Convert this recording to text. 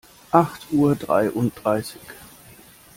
Acht Uhr dreiunddreißig.